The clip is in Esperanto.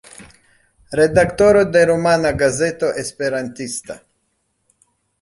Redaktoro de Rumana Gazeto Esperantista.